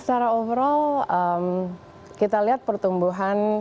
secara overall kita lihat pertumbuhan